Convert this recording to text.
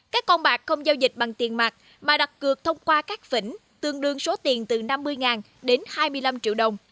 các con bạc không giao dịch bằng tiền mạc mà đặt cược thông qua các phỉnh tương đương số tiền từ năm mươi đến hai mươi năm triệu đồng